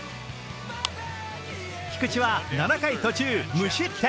菊池は７回途中、無失点。